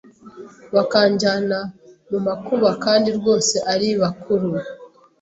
bakanjyana mu makuba Kandi rwose ari bakuru